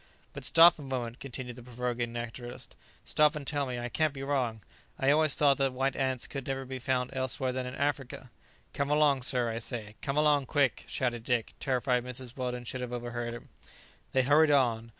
"But stop a moment," continued the provoking naturalist; "stop, and tell me: I can't be wrong: I always thought that white ants could never be found elsewhere than in Africa." "Come along, sir, I say; come along, quick!" shouted Dick, terrified lest Mrs. Weldon should have overheard him. They hurried on.